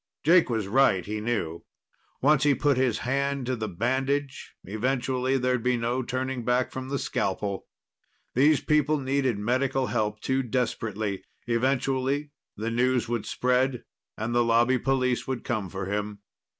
Jake was right, he knew. Once he put his hand to the bandage, eventually there'd be no turning back from the scalpel. These people needed medical help too desperately. Eventually, the news would spread, and the Lobby police would come for him.